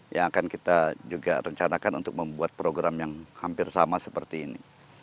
yang akan kita juga rencanakan untuk membuat program yang hampir sama seperti ini